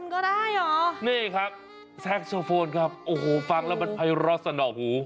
ก็ได้เหรอนี่ครับแซ็กโซโฟนครับโอ้โหฟังแล้วมันภัยร้อสนอกหู